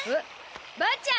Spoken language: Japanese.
ばあちゃん！